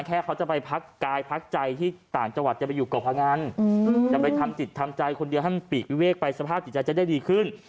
เขาจะไปพักกายพักใจที่ต่างจังหวัดจะไปอยู่เกาะพงันจะไปทำจิตทำใจคนเดียวให้มันปีกวิเวกไปสภาพจิตใจจะได้ดีขึ้น